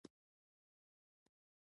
زه په یوټیوب کې ویډیوګانې ګورم.